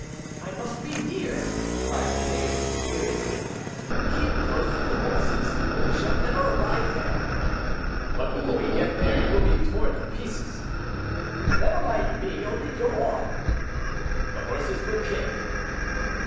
"I must be near," cried the page, imperiously. "Keep close to the horses, or we shall never arrive there." "But before we get there, you will be torn to pieces." "Never mind me, only go on." "The horses will kick."